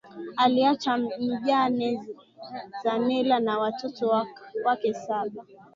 Aliacha mjane Zanele na watoto wake saba